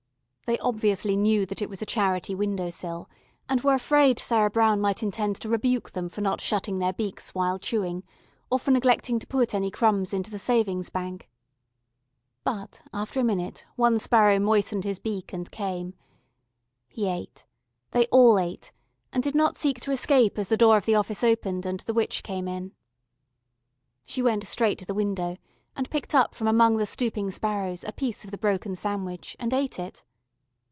They obviously knew that it was a charity window sill, and were afraid Sarah Brown might intend to rebuke them for not shutting their beaks while chewing, or for neglecting to put any crumbs into the Savings Bank. But after a minute one sparrow moistened his beak and came.... He ate, they all ate, and did not seek to escape as the door of the office opened and the witch came in. She went straight to the window and picked up from among the stooping sparrows a piece of the broken sandwich, and ate it.